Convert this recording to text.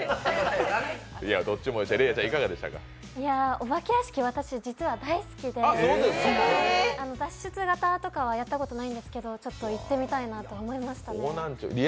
お化け屋敷、実は私大好きで、脱出型とかはやったことないんですけど、行ってみたいなと思いましたね。